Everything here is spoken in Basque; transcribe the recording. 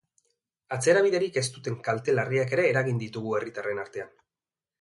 Atzerabiderik ez duten kalte larriak ere eragin ditugu herritarren artean.